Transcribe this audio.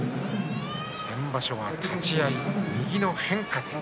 先場所は立ち合い、右の変化